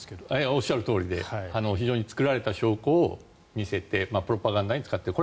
おっしゃるとおりで非常に作られた証拠を見せてプロパガンダに使っている。